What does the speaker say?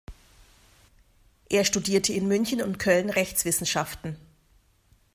Er studierte in München und Köln Rechtswissenschaften.